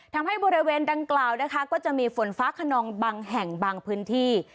ทำให้บริเวณดังกล่าวนะคะก็จะมีฝนฟ้าขนองบางแห่งบางพื้นที่